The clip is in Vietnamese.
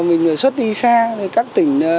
mình phải xuất đi xa các tỉnh